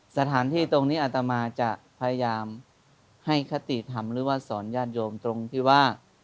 สถานที่ตรงนี้อัตมาจะพยายามให้คติธรรมหรือว่าสอนญาติโยมตรงที่ว่า